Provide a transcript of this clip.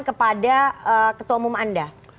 kepada ketua umum anda